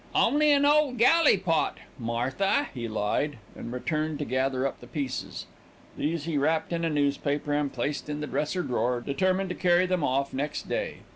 "Only an old galley pot, Martha," he lied, and returned to gather up the pieces. These he wrapped in a newspaper and placed in the dresser drawer, determined to carry them off next day.